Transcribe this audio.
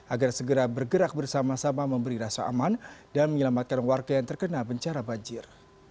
agar segera bergerak bersama sama memberi rasa aman dan menyelamatkan warga yang terkena bencana banjir